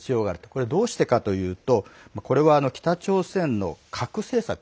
これ、どうしてかというとこれは北朝鮮の核政策